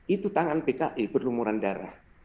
itu tangan pki berlumuran darah